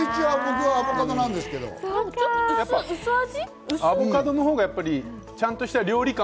ちょっと薄味？